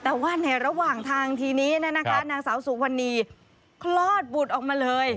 แต่ว่าในระหว่างทางทีนี้นางสาวสุวรรณีคลอดบุตรออกมาเลย